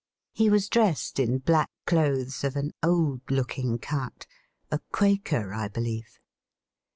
He was dressed in black clothes of an old looking cut a Quaker, I believe.